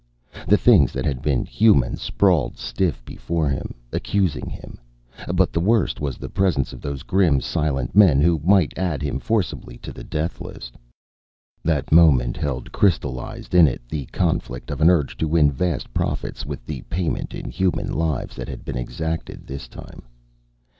The things that had been human, sprawled stiff before him, accusing him. But the worst was the presence of those grim, silent men, who might add him forcibly to the death list. That moment held crystallized in it the conflict of an urge to win vast profits, with the payment in human lives that had been exacted this time.